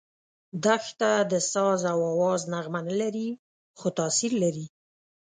دښته د ساز او آواز نغمه نه لري، خو تاثیر لري.